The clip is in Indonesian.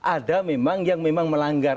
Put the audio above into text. ada memang yang memang melanggar